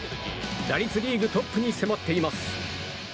打率リーグトップに迫っています。